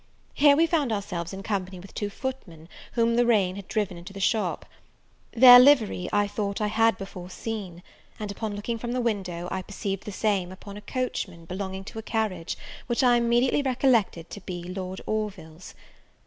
Here we found ourselves in company with two footmen, whom the rain had driven into the shop. Their livery I thought I had before seen; and, upon looking from the window, I perceived the same upon a coachman belonging to a carriage, which I immediately recollected to be Lord Orville's.